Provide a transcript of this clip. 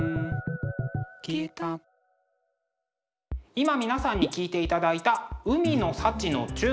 今皆さんに聴いていただいた「海の幸のチューン」。